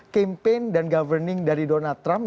campaign dan governing dari donald trump